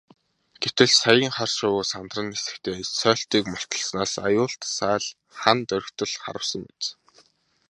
Гэтэл саяын хар шувуу сандран нисэхдээ сойлтыг мулталснаас аюулт сааль хана доргитол харвасан биз.